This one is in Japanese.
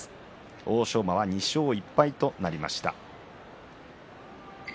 欧勝馬は２勝１敗となりました。